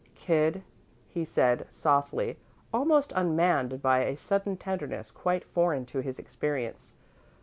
"Kid," he said, softly, almost unmanned by a sudden tenderness quite foreign to his experience.